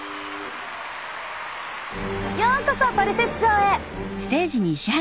ようこそトリセツショーへ。